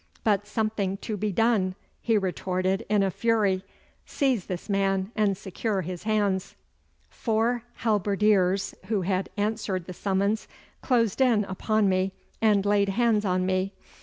'But something to be done,' he retorted in a fury. 'Seize this man and secure his hands!' Four halberdiers who had answered the summons closed in upon me and laid hands on me.